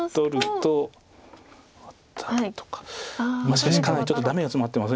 しかしかなりちょっとダメがツマってます。